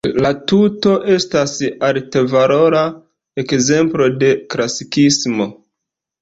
La tuto estas altvalora ekzemplo de klasikismo.